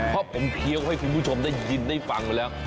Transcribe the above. เพราะผมเคี้ยวให้คุณผู้ชมได้ยินได้ฟังมาแล้ว